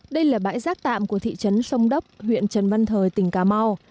đây là bãi rác tạm của thị trấn sông đốc huyện trần văn thời tỉnh cà mau